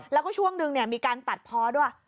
แล้วก็ช่วงนึงมีการตัดพอด้วย